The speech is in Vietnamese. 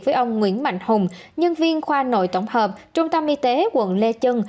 với ông nguyễn mạnh hùng nhân viên khoa nội tổng hợp trung tâm y tế quận lê chân